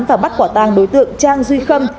và bắt quả tang đối tượng trang duy khâm